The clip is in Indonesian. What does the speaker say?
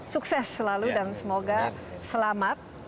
sukses selalu dan semoga selamat